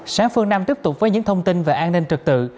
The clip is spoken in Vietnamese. sáng phương năm tiếp tục với những thông tin về an ninh trực tự